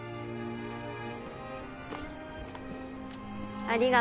ありがとう。